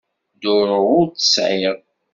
Duṛu ur tt-sεiɣ.